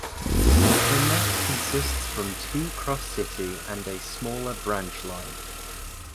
The net consists from two cross-city and a smaller branch line.